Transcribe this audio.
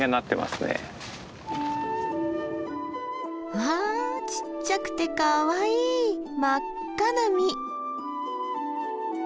わあちっちゃくてかわいい真っ赤な実。